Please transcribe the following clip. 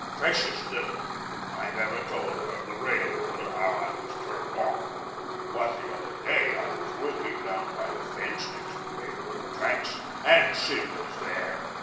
Precious little I've ever told her of the railroad or how I was turned off, but the other day I was working down by the fence next the railroad tracks and Sid was there.